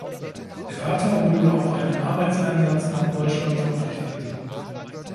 Der Vater wurde auf einen Arbeitseinsatz nach Deutschland verpflichtet.